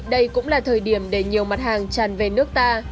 đây cũng là thời điểm để nhiều mặt hàng tràn về nước ta